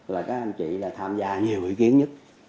là các anh chị là tham gia nhiều ý kiến nhất